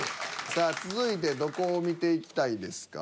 さあ続いてどこを見ていきたいですか？